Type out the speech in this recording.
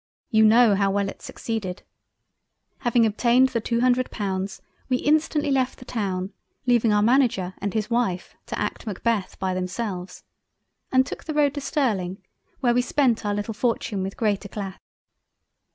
You know how well it succeeded—. Having obtained the two Hundred Pounds, we instantly left the Town, leaving our Manager and his Wife to act Macbeth by themselves, and took the road to Sterling, where we spent our little fortune with great eclat.